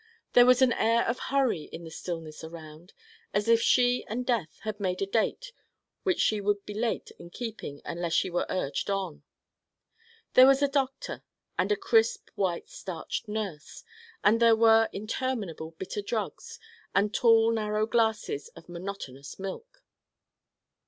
There was an air of hurry in the stillness around, as if she and Death had made a date which she would be late in keeping unless she were urged on. There was a doctor, and a crisp white starched nurse, and there were interminable bitter drugs and tall narrow glasses of monotonous milk.